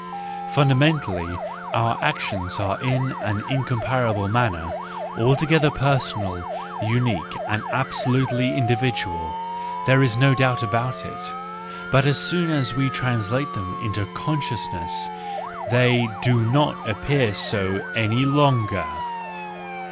Fundamentally our actions are in an incom¬ parable manner altogether personal, unique and absolutely individual—there is no doubt about it; but as soon as we translate them into conscious¬ ness, they do not appear so any longer